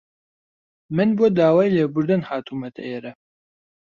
من بۆ داوای لێبوردن هاتوومەتە ئێرە.